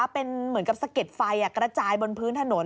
เป็นเหมือนกับสะเก็ดไฟกระจายบนพื้นถนน